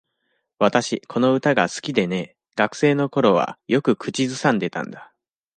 私、この歌が好きでね。学生の頃はよく口ずさんでたんだ。